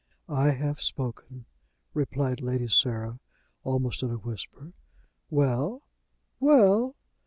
"I have spoken," replied Lady Sarah, almost in a whisper. "Well!" "Well!"